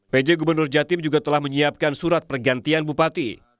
pj gubernur jatim juga telah menyiapkan surat pergantian bupati